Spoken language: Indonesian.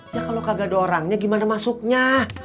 ya kalau kagak ada orangnya gimana masuknya